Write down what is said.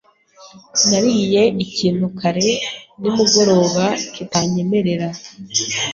Nariye ikintu kare nimugoroba kitanyemerera.